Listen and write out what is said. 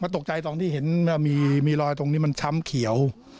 ตกใจตอนที่เห็นมีรอยตรงนี้มันช้ำเขียว